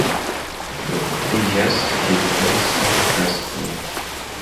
Li okupiĝas pri diversaj plastoj.